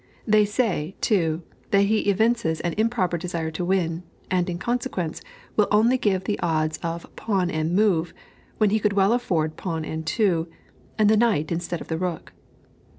They say, too, that he evinces an improper desire to win, and, in consequence, will only give the odds of pawn and move, when he could well afford pawn and two, and the knight instead of the rook.